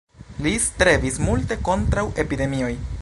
Li strebis multe kontraŭ epidemioj.